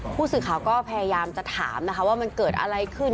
ผู้สื่อข่าวก็พยายามจะถามนะคะว่ามันเกิดอะไรขึ้น